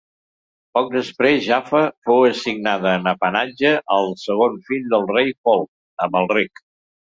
Poc després Jaffa fou assignada en apanatge al segon fill del rei Folc, Amalric.